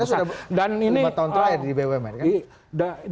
anda sudah lima tahun terakhir di bumn kan